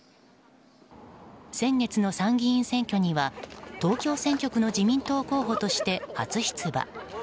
先月の参議院選挙には東京選挙区の自民党候補として初出馬。